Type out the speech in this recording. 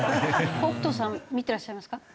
北斗さん見てらっしゃいますか？